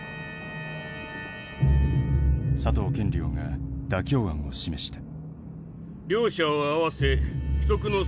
佐藤賢了が妥協案を示した。